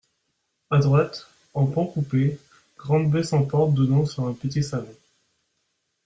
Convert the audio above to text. A droite, en pan coupé, grande baie sans porte donnant sur un petit salon.